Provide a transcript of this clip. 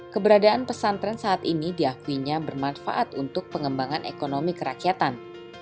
keberadaan pesantren saat ini diakuinya bermanfaat untuk pengembangan ekonomi kerakyatan